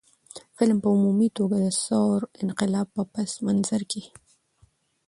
فلم په عمومي توګه د ثور انقلاب په پس منظر کښې